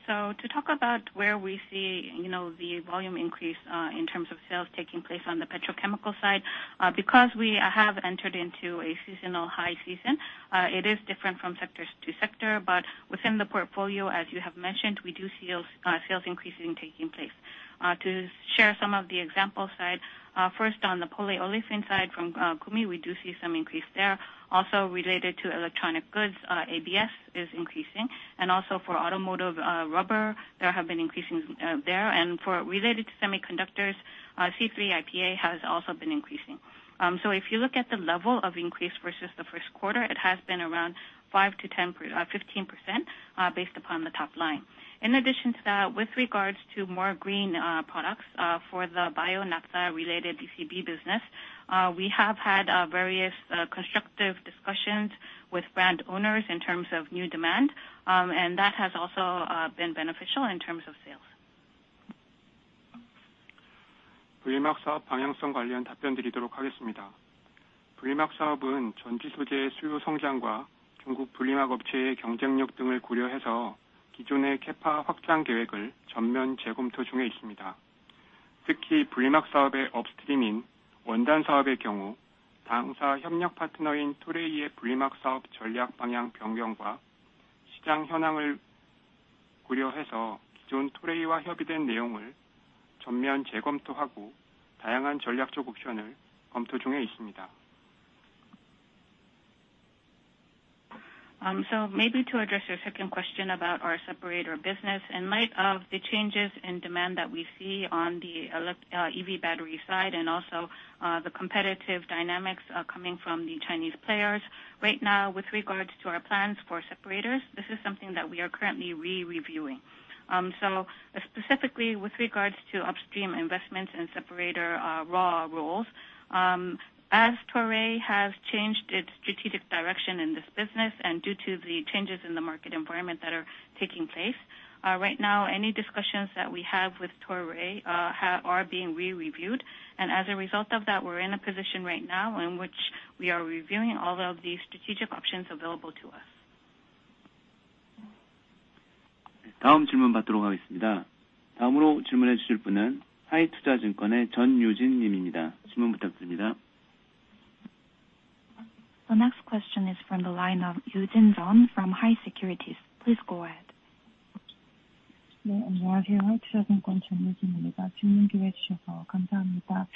So, to talk about where we see the volume increase in terms of sales taking place on the petrochemical side, because we have entered into a seasonal high season, it is different from sector to sector, but within the portfolio, as you have mentioned, we do see sales increasing taking place. To share some of the examples, first on the polyolefin side from Gumi, we do see some increase there. Also, related to electronic goods, ABS is increasing, and also for automotive rubber, there have been increases there. And for related to semiconductors, C3, IPA has also been increasing. So, if you look at the level of increase versus the first quarter, it has been around 5%-15% based upon the top line. In addition to that, with regards to more green products for the bio-naphtha-related BCB business, we have had various constructive discussions with brand owners in terms of new demand, and that has also been beneficial in terms of sales. the competitiveness of Chinese separator companies, etc. In particular, in the case of the fabric business, which is the upstream of the separator business, considering the change in the strategic direction of the separator business of our partner Toray and the market situation, we are completely reviewing the contents previously agreed with Toray and examining various strategic options. So, maybe to address your second question about our separator business, in light of the changes in demand that we see on the EV battery side and also the competitive dynamics coming from the Chinese players, right now, with regards to our plans for separators, this is something that we are currently re-reviewing. So, specifically with regards to upstream investments and separator raw rolls, as Toray has changed its strategic direction in this business and due to the changes in the market environment that are taking place, right now, any discussions that we have with Toray are being re-reviewed. And as a result of that, we're in a position right now in which we are reviewing all of the strategic options available to us. Yoo Jin-jeong from Hi Investment & Securities. Please go ahead with your question. The next question is from the line of Yoo Jin-jeong from Hi Investment & Securities. Please go ahead. 네, 안녕하세요. 하이투자증권 전유진입니다. 질문 기회 주셔서 감사합니다.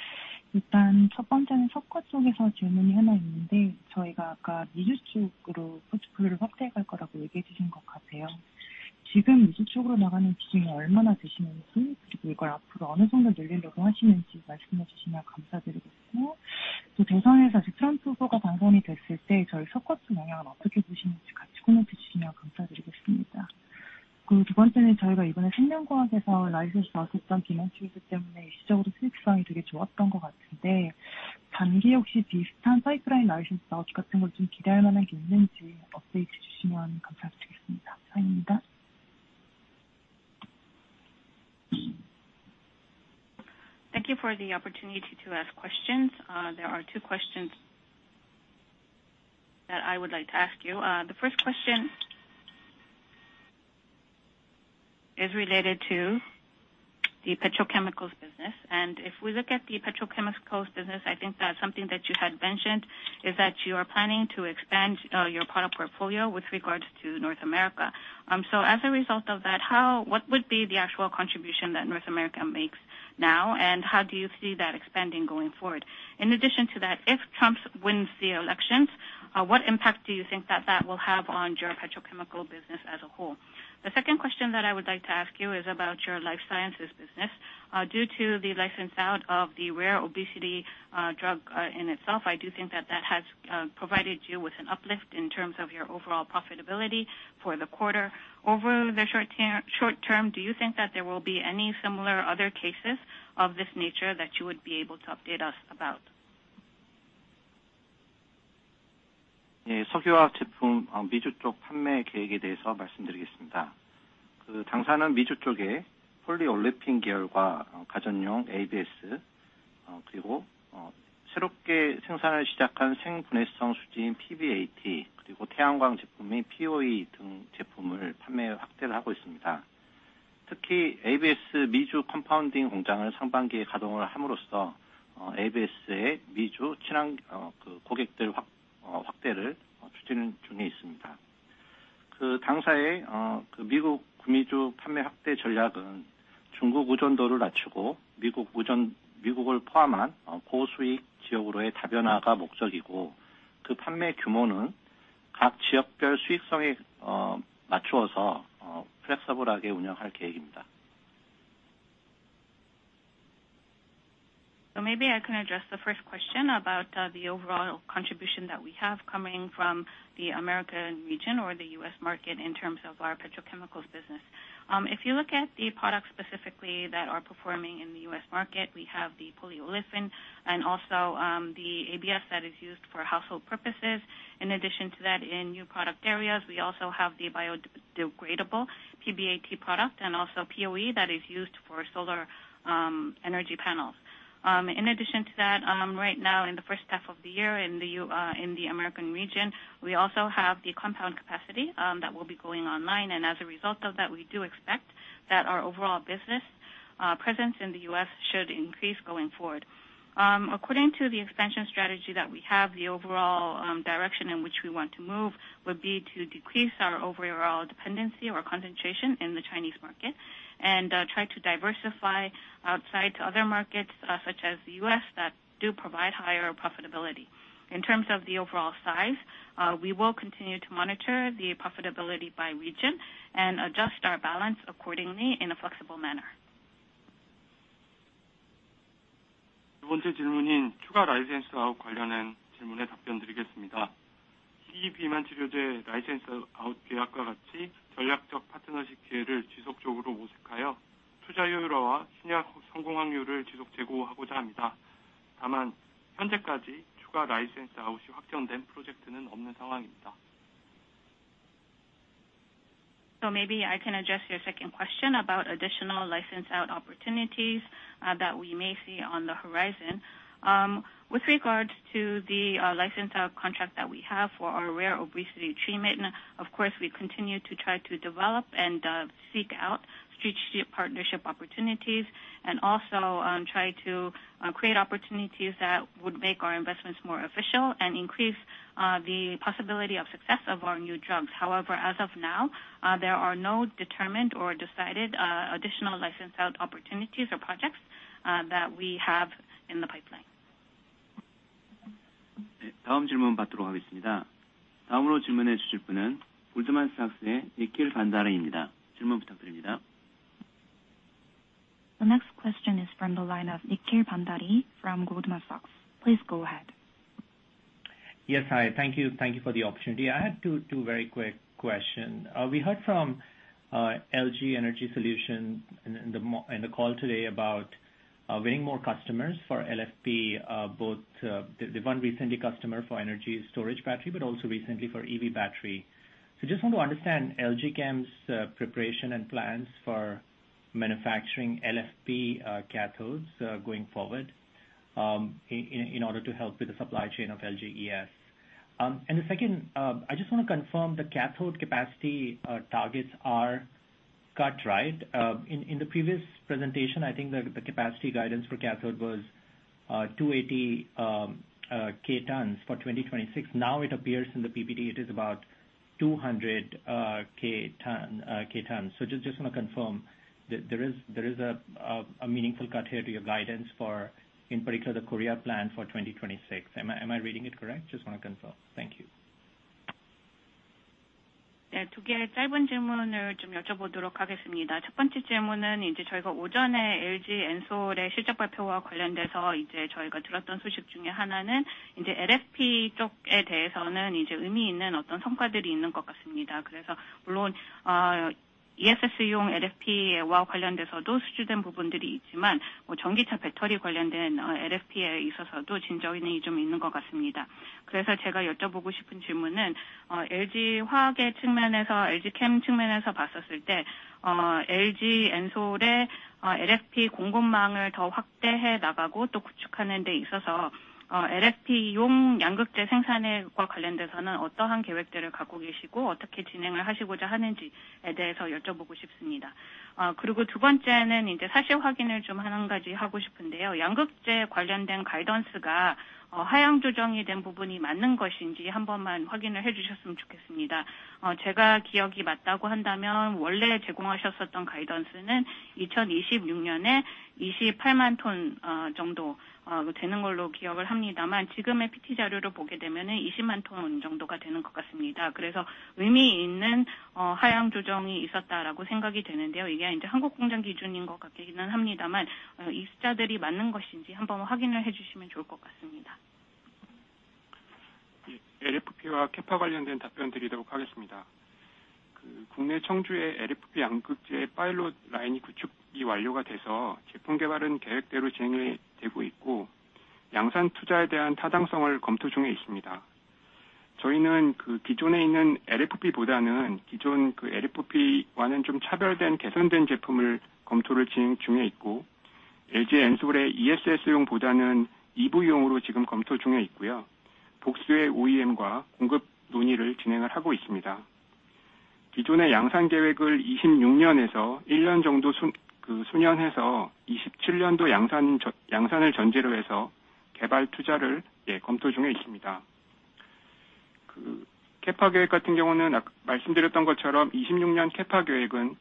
일단 첫 번째는 석화 쪽에서 질문이 하나 있는데, 저희가 아까 미주 쪽으로 포트폴리오를 확대해 갈 거라고 얘기해 주신 것 같아요. 지금 미주 쪽으로 나가는 비중이 얼마나 되시는지, 그리고 이걸 앞으로 어느 정도 늘리려고 하시는지 말씀해 주시면 감사드리겠고요. 또 대선에서 트럼프 후보가 당선이 됐을 때 저희 석화 쪽 영향은 어떻게 보시는지 같이 코멘트 주시면 감사드리겠습니다. 그리고 두 번째는 저희가 이번에 생명공학에서 라이선스 아웃했던 기념 추이들 때문에 일시적으로 수익성이 되게 좋았던 것 같은데, 단기 혹시 비슷한 파이프라인 라이선스 아웃 같은 걸좀 기대할 만한 게 있는지 업데이트 주시면 감사드리겠습니다. 사연입니다. Thank you for the opportunity to ask questions. There are two questions that I would like to ask you. The first question is related to the petrochemicals business. If we look at the petrochemicals business, I think that something that you had mentioned is that you are planning to expand your product portfolio with regards to North America. As a result of that, what would be the actual contribution that North America makes now, and how do you see that expanding going forward? In addition to that, if Trump wins the elections, what impact do you think that that will have on your petrochemical business as a whole? The second question that I would like to ask you is about your life sciences business. Due to the license out of the rare obesity drug in itself, I do think that that has provided you with an uplift in terms of your overall profitability for the quarter. Over the short term, do you think that there will be any similar other cases of this nature that you would be able to update us about? 석유화학 제품 미주 쪽 판매 계획에 대해서 말씀드리겠습니다. 당사는 미주 쪽에 폴리올레핀 계열과 가전용 ABS, 그리고 새롭게 생산을 시작한 생분해성 수지인 PBAT, 그리고 태양광 제품인 POE 등 제품을 판매 확대를 하고 있습니다. 특히 ABS 미주 컴파운딩 공장을 상반기에 가동을 함으로써 ABS의 미주 고객들 확대를 추진 중에 있습니다. 당사의 미국, 미주 판매 확대 전략은 중국 의존도를 낮추고 미국을 포함한 고수익 지역으로의 다변화가 목적이고, 그 판매 규모는 각 지역별 수익성에 맞추어서 플렉서블하게 운영할 계획입니다. So maybe I can address the first question about the overall contribution that we have coming from the American region or the US market in terms of our petrochemicals business. If you look at the products specifically that are performing in the US market, we have the polyolefin and also the ABS that is used for household purposes. In addition to that, in new product areas, we also have the biodegradable PBAT product and also POE that is used for solar energy panels. In addition to that, right now, in the first half of the year in the American region, we also have the compound capacity that will be going online. And as a result of that, we do expect that our overall business presence in the US should increase going forward. According to the expansion strategy that we have, the overall direction in which we want to move would be to decrease our overall dependency or concentration in the Chinese market and try to diversify outside to other markets such as the US that do provide higher profitability. In terms of the overall size, we will continue to monitor the profitability by region and adjust our balance accordingly in a flexible manner. 두 번째 질문인 추가 라이선스 아웃 관련한 질문에 답변 드리겠습니다. PEB만 치료제 라이선스 아웃 계약과 같이 전략적 파트너십 기회를 지속적으로 모색하여 투자 효율화와 신약 성공 확률을 지속 제고하고자 합니다. 다만 현재까지 추가 라이선스 아웃이 확정된 프로젝트는 없는 상황입니다. Maybe I can address your second question about additional license out opportunities that we may see on the horizon. With regards to the license out contract that we have for our rare obesity treatment, of course, we continue to try to develop and seek out strategic partnership opportunities and also try to create opportunities that would make our investments more efficient and increase the possibility of success of our new drugs. However, as of now, there are no determined or decided additional license out opportunities or projects that we have in the pipeline. question is Nikhil Bhandari from Goldman Sachs. Please go ahead with your question. The next question is from the line of Nikhil Bhandari from Goldman Sachs. Please go ahead. Yes, hi. Thank you for the opportunity. I had two very quick questions. We heard from LG Energy Solutions in the call today about winning more customers for LFP, both the one recent customer for energy storage battery, but also recently for EV battery. So just want to understand LG Chem's preparation and plans for manufacturing LFP cathodes going forward in order to help with the supply chain of LGES. And the second, I just want to confirm the cathode capacity targets are cut, right? In the previous presentation, I think the capacity guidance for cathode was 280,000 tons for 2026. Now it appears in the PPD it is about 200,000 tons. So just want to confirm there is a meaningful cut here to your guidance for, in particular, the Korea plan for 2026. Am I reading it correct? Just want to confirm. Thank you. 네, 두 개의 짧은 질문을 좀 여쭤보도록 하겠습니다. 첫 번째 질문은 저희가 오전에 LG 엔솔의 실적 발표와 관련돼서 저희가 들었던 소식 중에 하나는 LFP 쪽에 대해서는 의미 있는 어떤 성과들이 있는 것 같습니다. 그래서 물론 ESS용 LFP와 관련돼서도 수주된 부분들이 있지만 전기차 배터리 관련된 LFP에 있어서도 진전이 좀 있는 것 같습니다. 그래서 제가 여쭤보고 싶은 질문은 LG 화학의 측면에서 LG Chem 측면에서 봤었을 때 LG 엔솔의 LFP 공급망을 더 확대해 나가고 또 구축하는 데 있어서 LFP용 양극재 생산과 관련돼서는 어떠한 계획들을 갖고 계시고 어떻게 진행을 하시고자 하는지에 대해서 여쭤보고 싶습니다. 그리고 두 번째는 사실 확인을 좀한 가지 하고 싶은데요. 양극재 관련된 가이던스가 하향 조정이 된 부분이 맞는 것인지 한 번만 확인을 해 주셨으면 좋겠습니다. 제가 기억이 맞다고 한다면 원래 제공하셨었던 가이던스는 2026년에 280,000 톤 정도 되는 걸로 기억을 합니다만 지금의 PT 자료를 보게 되면 200,000 톤 정도가 되는 것 같습니다. 그래서 의미 있는 하향 조정이 있었다라고 생각이 되는데요? 이게 한국 공장 기준인 것 같기는 합니다만 이 숫자들이 맞는 것인지 한번 확인을 해 주시면 좋을 것 같습니다. LFP와 캐파 관련된 답변 드리도록 하겠습니다. 국내 청주의 LFP 양극재 파일럿 라인이 구축이 완료가 돼서 제품 개발은 계획대로 진행이 되고 있고 양산 투자에 대한 타당성을 검토 중에 있습니다. 저희는 기존에 있는 LFP보다는 기존 LFP와는 좀 차별된 개선된 제품을 검토를 진행 중에 있고 LG 엔솔의 ESS용보다는 EV용으로 지금 검토 중에 있고요. 복수의 OEM과 공급 논의를 진행을 하고 있습니다. 기존의 양산 계획을 2026년에서 1년 정도 수년해서 2027년도 양산을 전제로 해서 개발 투자를 검토 중에 있습니다. 캐파 계획 같은 경우는 말씀드렸던 것처럼 2026년 캐파 계획은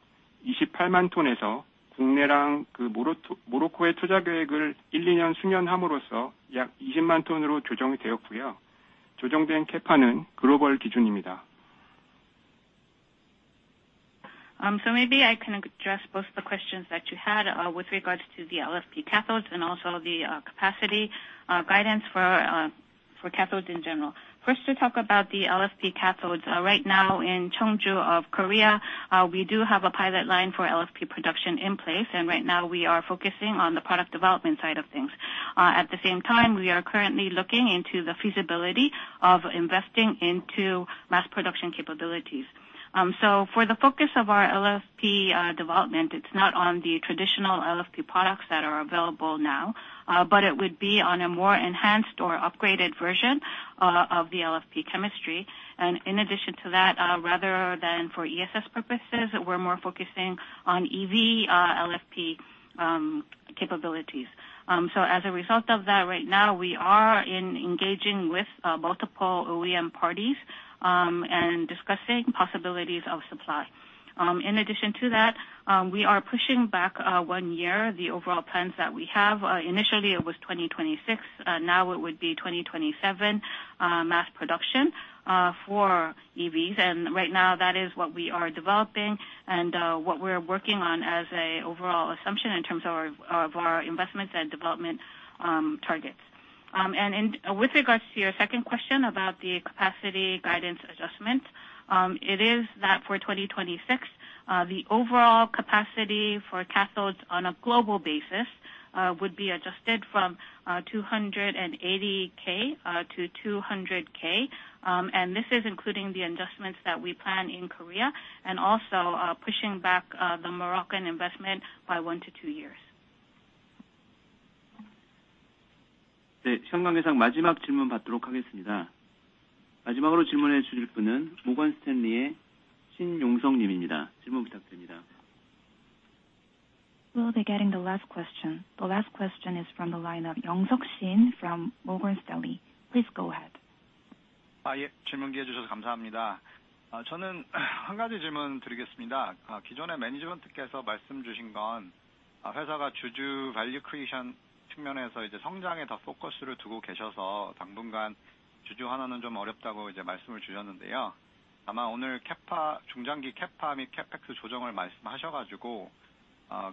280,000톤에서 국내랑 모로코의 투자 계획을 1-2년 수년함으로써 약 200,000톤으로 조정이 되었고요. 조정된 캐파는 글로벌 기준입니다. So maybe I can address both the questions that you had with regards to the LFP cathodes and also the capacity guidance for cathodes in general. First, to talk about the LFP cathodes. Right now in Cheongju of Korea, we do have a pilot line for LFP production in place, and right now we are focusing on the product development side of things. At the same time, we are currently looking into the feasibility of investing into mass production capabilities. So for the focus of our LFP development, it's not on the traditional LFP products that are available now, but it would be on a more enhanced or upgraded version of the LFP chemistry. And in addition to that, rather than for ESS purposes, we're more focusing on EV LFP capabilities. As a result of that, right now we are engaging with multiple OEM parties and discussing possibilities of supply. In addition to that, we are pushing back one year the overall plans that we have. Initially, it was 2026. Now it would be 2027 mass production for EVs. Right now that is what we are developing and what we're working on as an overall assumption in terms of our investments and development targets. With regards to your second question about the capacity guidance adjustment, it is that for 2026, the overall capacity for cathodes on a global basis would be adjusted from 280K-200K. This is including the adjustments that we plan in Korea and also pushing back the Moroccan investment by one to two years. 네, 청강 회장 마지막 질문 받도록 하겠습니다. 마지막으로 질문해 주실 분은 모건스탠리의 신용석 님입니다. 질문 부탁드립니다. Well, they're getting the last question. The last question is from the line of Yongseok Shin from Morgan Stanley. Please go ahead. 예, 질문 기회 주셔서 감사합니다. 저는 한 가지 질문 드리겠습니다. 기존의 매니지먼트께서 말씀 주신 건 회사가 주주 밸류 크리에이션 측면에서 성장에 더 포커스를 두고 계셔서 당분간 주주 환원은 좀 어렵다고 말씀을 주셨는데요. 다만 오늘 중장기 캐파 및 캐펙스 조정을 말씀하셔서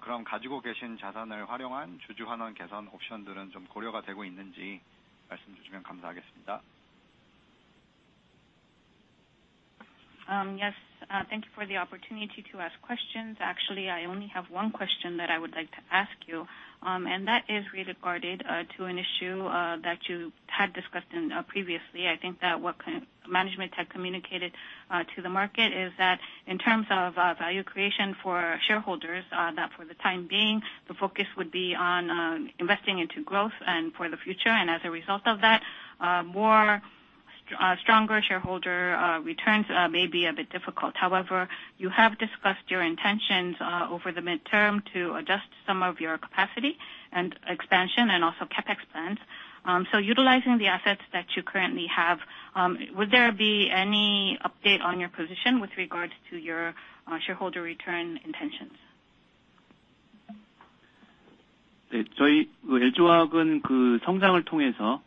그럼 가지고 계신 자산을 활용한 주주 환원 개선 옵션들은 좀 고려가 되고 있는지 말씀 주시면 감사하겠습니다. Yes, thank you for the opportunity to ask questions. Actually, I only have one question that I would like to ask you. And that is really regarded to an issue that you had discussed previously. I think that what management had communicated to the market is that in terms of value creation for shareholders, that for the time being, the focus would be on investing into growth and for the future. And as a result of that, more stronger shareholder returns may be a bit difficult. However, you have discussed your intentions over the midterm to adjust some of your capacity and expansion and also CapEx plans. So utilizing the assets that you currently have, would there be any update on your position with regards to your shareholder return intentions? 저희 LG Chem은 성장을 통해서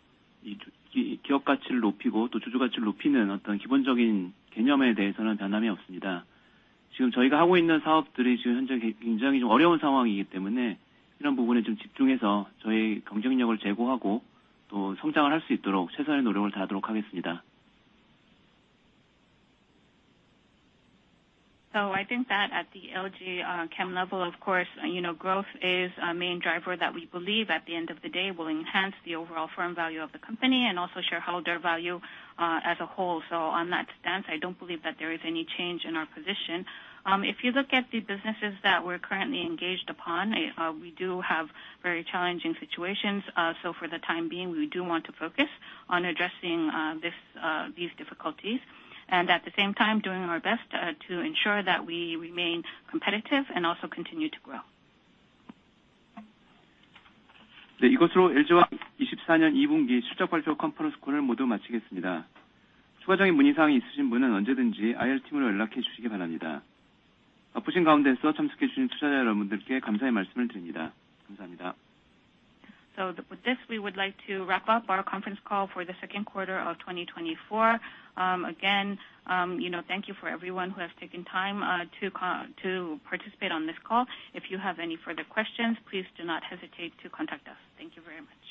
기업 가치를 높이고 또 주주 가치를 높이는 어떤 기본적인 개념에 대해서는 변함이 없습니다. 지금 저희가 하고 있는 사업들이 지금 현재 굉장히 좀 어려운 상황이기 때문에 이런 부분에 좀 집중해서 저희 경쟁력을 제고하고 또 성장을 할수 있도록 최선의 노력을 다하도록 하겠습니다. So I think that at the LG Chem level, of course, growth is a main driver that we believe at the end of the day will enhance the overall firm value of the company and also shareholder value as a whole. So on that stance, I don't believe that there is any change in our position. If you look at the businesses that we're currently engaged upon, we do have very challenging situations. So for the time being, we do want to focus on addressing these difficulties and at the same time doing our best to ensure that we remain competitive and also continue to grow. 네, 이것으로 LG화학 2024년 2분기 실적 발표 컨퍼런스 콜을 모두 마치겠습니다. 추가적인 문의 사항이 있으신 분은 언제든지 IR 팀으로 연락해 주시기 바랍니다. 바쁘신 가운데서 참석해 주신 투자자 여러분들께 감사의 말씀을 드립니다. 감사합니다. With this, we would like to wrap up our conference call for the second quarter of 2024. Again, thank you for everyone who has taken time to participate on this call. If you have any further questions, please do not hesitate to contact us. Thank you very much.